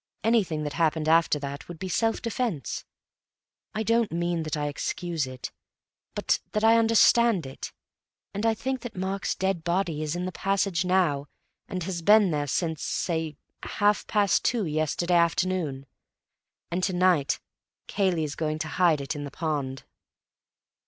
Anything that happened after that would be self defense. I don't mean that I excuse it, but that I understand it. And I think that Mark's dead body is in the passage now, and has been there since, say, half past two yesterday afternoon. And to night Cayley is going to hide it in the pond."